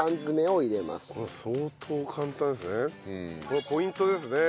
これポイントですね。